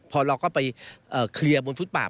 พอเราก็ไปเคลียร์บนฟุตปาบ